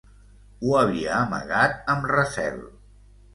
Ho havia amagat amb recel.